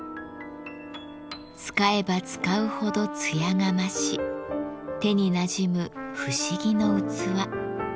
使えば使うほど艶が増し手になじむ不思議の器。